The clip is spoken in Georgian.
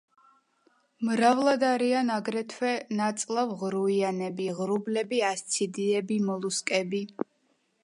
მრავლად არიან აგრეთვე ნაწლავღრუიანები, ღრუბლები, ასციდიები, მოლუსკები.